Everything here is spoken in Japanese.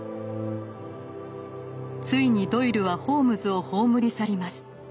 ついにドイルはホームズを葬り去ります。